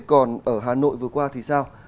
còn ở hà nội vừa qua thì sao